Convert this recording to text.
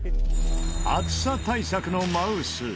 暑さ対策のマウス。